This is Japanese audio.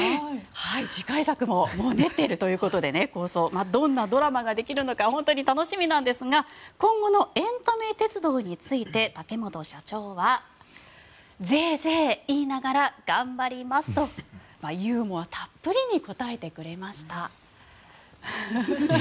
次回作も、もう構想を練っているということでどんなドラマができるのか本当に楽しみなんですが今後のエンタメ鉄道について竹本社長はぜいぜい言いながら頑張りますとユーモアたっぷりに答えてくれました。